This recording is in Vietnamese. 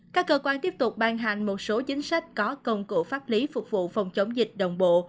các cơ quan tiếp tục ban hành một số chính sách có công cụ pháp lý phục vụ phòng chống dịch đồng bộ